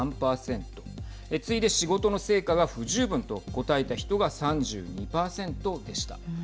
次いで仕事の成果が不十分と答えた人が３２％でした。